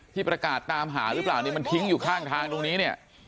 ที่ประกาศตามหาหรือเปล่าเนี่ยมันทิ้งอยู่ข้างทางตรงนี้เนี่ย